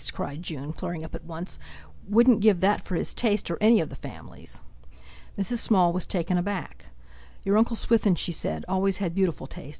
cried June, flaring up at once; "wouldn't give that for his taste, or any of the family's!" Mrs. Small was taken aback. "Your Uncle Swithin," she said, "always had beautiful taste!